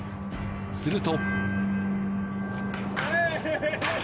すると。